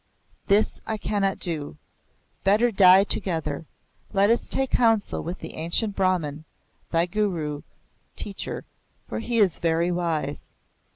"This I cannot do. Better die together. Let us take counsel with the ancient Brahman, thy guru [teacher], for he is very wise."